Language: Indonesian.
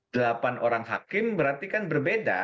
delapan orang hakim berarti kan berbeda